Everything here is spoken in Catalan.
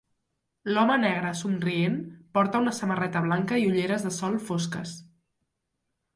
L'home negre somrient porta una samarreta blanca i ulleres de sol fosques.